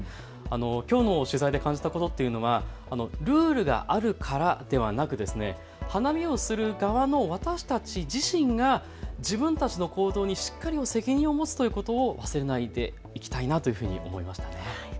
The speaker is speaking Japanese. きょう、取材で感じたことというのはルールがあるからではなく花見をする側の私たち自身が自分たちの行動にしっかりと責任を持つということを忘れないでいきたいなというふうに思いました。